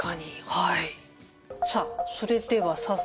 はい。